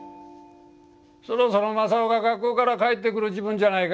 そろそろ正雄が学校から帰ってくる時分じゃないか？